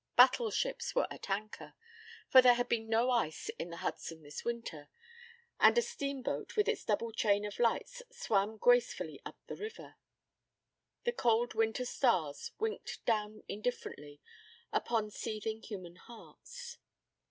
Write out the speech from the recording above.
Battleships were at anchor, for there had been no ice in the Hudson this winter, and a steamboat with its double chain of lights swam gracefully up the river. The cold winter stars winked down indifferently upon seething human hearts.